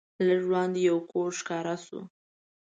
لږ وړاندې یو کور ښکاره شو.